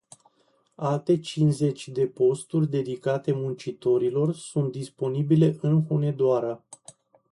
Alte cincizeci de posturi dedicate muncitorilor sunt disponibile în Hunedoara.